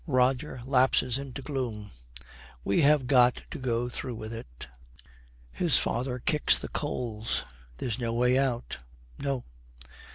Roger lapses into gloom. 'We have got to go through with it.' His father kicks the coals. 'There's no way out.' 'No.'